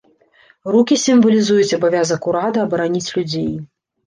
Рукі сімвалізуюць абавязак урада абараніць людзей.